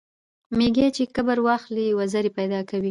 ـ ميږى چې کبر واخلي وزرې پېدا کوي.